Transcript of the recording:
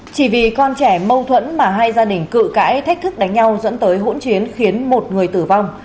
chỉ vì con trẻ mâu thuẫn mà hai gia đình cự cãi thách thức đánh nhau dẫn tới hỗn chiến khiến một người tử vong